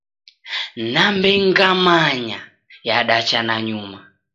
"Nambe ngamanya" yadacha nanyuma.